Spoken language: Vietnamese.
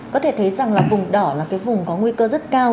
có thể thấy rằng là vùng đỏ là cái vùng có nguy cơ rất cao